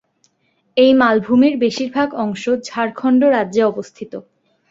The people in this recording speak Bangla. এই মালভূমির বেশির ভাগ অংশ ঝাড়খন্ড রাজ্যে অবস্থিত।